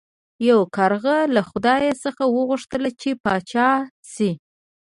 یو کارغه له خدای څخه وغوښتل چې پاچا شي.